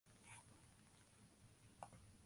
Fan begjin besjen.